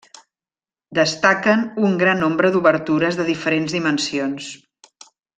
Destaquen un gran nombre d'obertures de diferents dimensions.